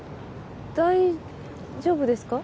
大丈夫ですか？